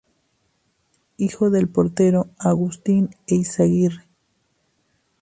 Hijo del portero Agustín Eizaguirre.